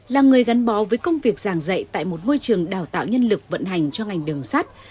là người gắn bó với công việc giảng dạy tại một môi trường đào tạo nhân lực vận hành cho ngành đường sắt